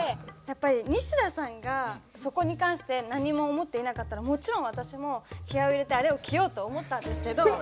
やっぱり西田さんがそこに関して何も思っていなかったらもちろん私も気合いを入れてあれを着ようと思ったんですけど。